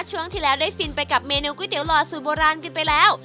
ช่วงที่แล้วได้ฟินไปกับเมนูก๋วยเตี๋ยหล่อสูตรโบราณกันไปแล้ว